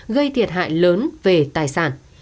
gây thiệt hại lớn về tài sản